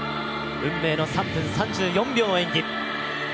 運命の３分３４秒の演技。